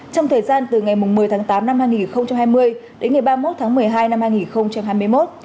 trong thời gian từ ngày một mươi tháng tám năm hai nghìn hai mươi đến ngày ba mươi một tháng một mươi hai năm hai nghìn hai mươi một